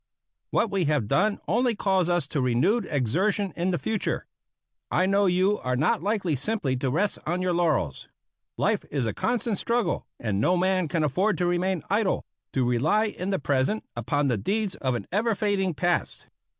What we have done only calls us to renewed exertion in the future. I know you are not likely simply to rest on your laurels. Life is a constant struggle, and no man can afford to remain idle, to rely in the present upon the deeds of an ever fading past.